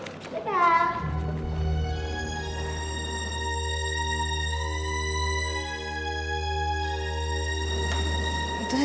gue mau keluar dulu